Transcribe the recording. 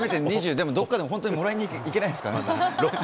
でもどっか、本当にもらいに行けないですかね。